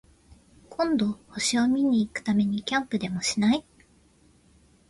今度、星を見に行くためにキャンプでもしない？